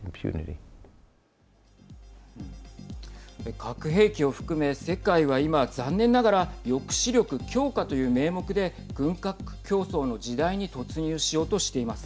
核兵器を含め世界は今残念ながら抑止力強化という名目で軍拡競争の時代に突入しようとしています。